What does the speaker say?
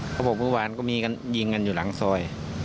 เขาบอกเมื่อวานก็มีการยิงกันอยู่หลังซอย